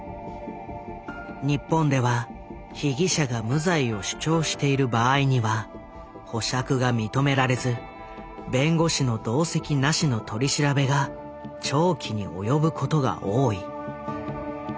日本では被疑者が無罪を主張している場合には保釈が認められず弁護士の同席なしの取り調べが長期に及ぶことが多い。